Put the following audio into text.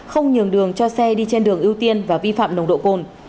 không nhường đường cho xe đi trên đường ưu tiên và vi phạm nồng độ cồn